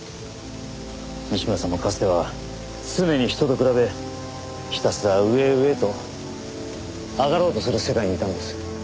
西村さんもかつては常に人と比べひたすら上へ上へと上がろうとする世界にいたんです。